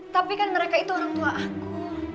tapi kan mereka itu orang tua aku